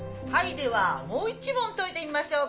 ではもう１問解いてみましょうか？